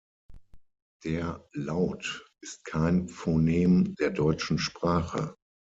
Der Laut ist kein Phonem der deutschen Sprache.